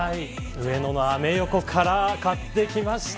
上野のアメ横から買ってきました。